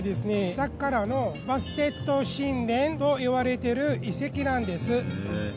サッカラのバステト神殿と言われてる遺跡なんです。